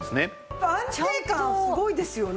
やっぱり安定感すごいですよね。